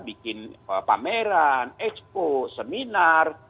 bikin pameran ekspo seminar